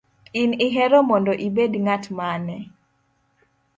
In ihero mondo ibed ng’at mane?